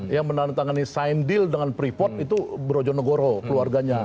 yang menantangani sign deal dengan pripot itu brojonegoro keluarganya